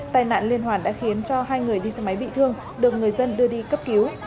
tài nạn liên hoàn đã khiến cho hai người đi xe máy bị thương được người dân đưa đi cấp cứu